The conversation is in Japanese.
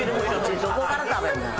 「どこから食べんねん？